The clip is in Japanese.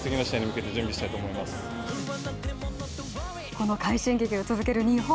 この快進撃を続ける日本。